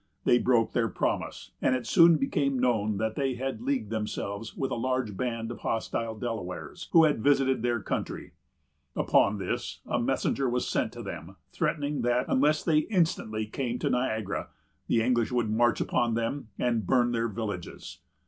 They broke their promise; and it soon became known that they had leagued themselves with a large band of hostile Delawares, who had visited their country. Upon this, a messenger was sent to them, threatening that, unless they instantly came to Niagara, the English would march upon them and burn their villages.